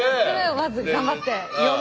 まず頑張って呼ぶ。